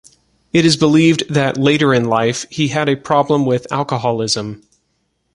It is believed that later in life he had a problem with alcoholism.